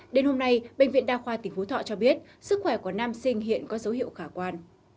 đến hôm nay bệnh viện đa khoa tỉnh phú thọ cho biết sức khỏe của nam sinh hiện có dấu hiệu khả quan